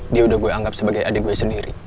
dia udah gue anggap sebagai adik gue sendiri